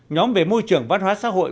ba nhóm về môi trường văn hóa xã hội